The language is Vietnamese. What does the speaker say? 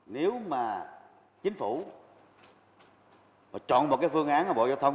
nếu mà chính phủ chọn một cái phương án ở bộ giao thông